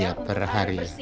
ya per hari